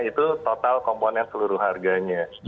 itu total komponen seluruh harganya